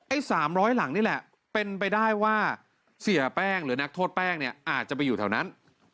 ๓๐๐หลังนี่แหละเป็นไปได้ว่าเสียแป้งหรือนักโทษแป้งเนี่ยอาจจะไปอยู่แถวนั้น